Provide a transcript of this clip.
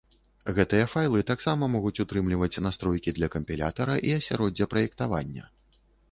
Гэтыя файлы таксама могуць утрымліваць настройкі для кампілятара і асяроддзя праектавання.